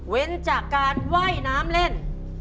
จากการว่ายน้ำเล่น